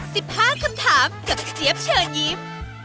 สิบห้าคำถามกับเจี๊ยบเชิญยิ้ม